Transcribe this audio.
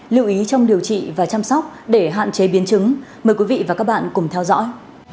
lưu ý trong điều trị và chăm sóc để hạn chế biến chứng mời quý vị và các bạn cùng theo dõi